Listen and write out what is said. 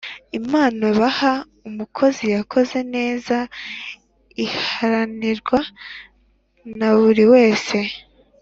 Impano baha umukozi yakoze neza iharanirwa na buru wese